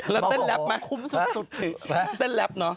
แล้วเต้นแรปไหมคุ้มสุดเต้นแรปเนอะ